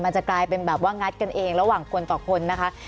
จะกลายเป็นแบบว่างัดกันเองระหว่างคนต่อคนนะคะ